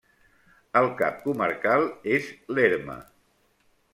El cap comarcal és Lerma.